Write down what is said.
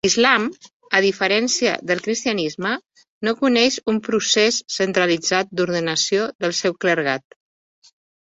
L'Islam, a diferència del cristianisme, no coneix un procés centralitzat d'ordenació del seu clergat.